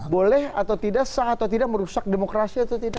boleh atau tidak sah atau tidak merusak demokrasi atau tidak